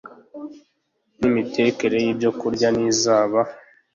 nimitekere yibyokurya ntizaba